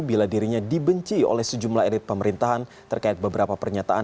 bila dirinya dibenci oleh sejumlah elit pemerintahan terkait beberapa pernyataan